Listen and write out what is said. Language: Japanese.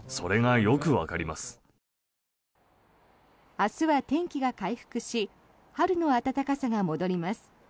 明日は天気が回復し春の暖かさが戻ります。